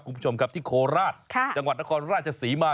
คุณผู้ชมครับที่โคราชจังหวัดนครราชศรีมา